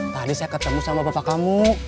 tadi saya ketemu sama bapak kamu